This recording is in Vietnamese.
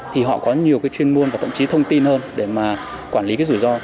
thì họ có nhiều chuyên môn và thậm chí thông tin hơn để quản lý rủi ro